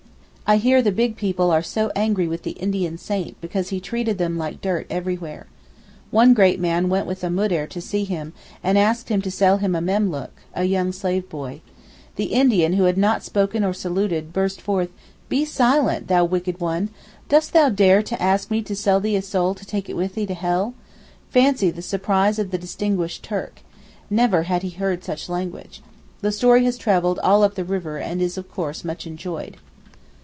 I hear the big people are so angry with the Indian saint because he treated them like dirt everywhere. One great man went with a Moudir to see him, and asked him to sell him a memlook (a young slave boy). The Indian, who had not spoken or saluted, burst forth, 'Be silent, thou wicked one! dost thou dare to ask me to sell thee a soul to take it with thee to hell?' Fancy the surprise of the 'distinguished' Turk. Never had he heard such language. The story has travelled all up the river and is of course much enjoyed.